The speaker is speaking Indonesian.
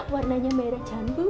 warnanya merah jantung